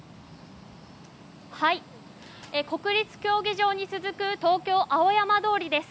国立競技場に続く東京・青山通りです。